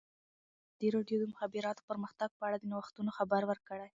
ازادي راډیو د د مخابراتو پرمختګ په اړه د نوښتونو خبر ورکړی.